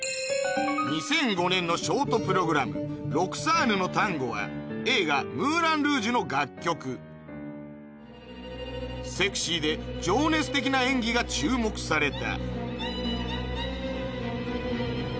２００５年のショートプログラム「ロクサーヌのタンゴ」は映画『ムーラン・ルージュ』の楽曲セクシーで情熱的な演技が注目された